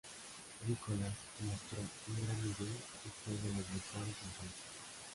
Nicolás mostró un gran nivel y fue de los mejores en cancha.